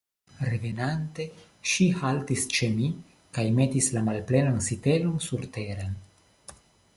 Revenante, ŝi haltis ĉe mi kaj metis la malplenan sitelon surteren.